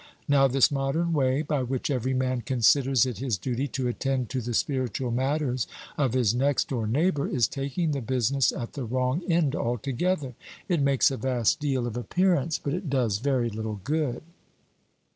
Now this modern way, by which every man considers it his duty to attend to the spiritual matters of his next door neighbor, is taking the business at the wrong end altogether. It makes a vast deal of appearance, but it does very little good."